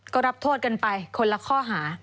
ก็รับโทษกันไปคนละข้อหา